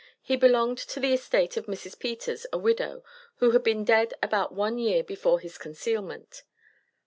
He belonged to the estate of Mrs. Peters, a widow, who had been dead about one year before his concealment.